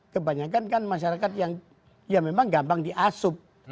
kebanyakan kan masyarakat yang ya memang gampang diasup